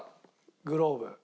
グローブ。